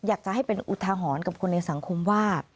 อยากจะให้เป็นอุทาหรณ์กับคนในสังคมว่า